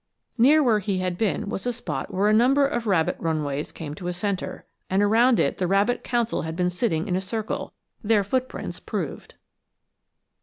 Near where he had been was a spot where a number of rabbit runways came to a centre, and around it the rabbit council had been sitting in a circle, their footprints proved.